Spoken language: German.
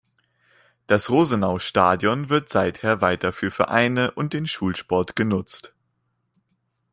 Das Rosenaustadion wird seither weiter für Vereine und den Schulsport genutzt.